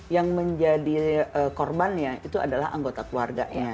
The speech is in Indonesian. yang menjadi korbannya itu adalah anggota keluarganya